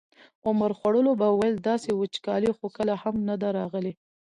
عمر خوړلو به ویل داسې وچکالي خو کله هم نه ده راغلې.